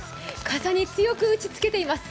傘に強く打ちつけています。